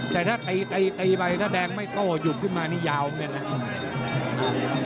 แต่ถ้าแต่ยิบไปถ้าแดงไม่โก้หยุดขึ้นมานี่ยาวแม่งนะ